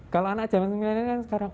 kalau anak zaman milenial sekarang